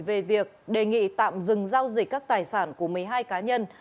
về việc đề nghị tạm dừng giao dịch các tài sản của một mươi hai cá nhân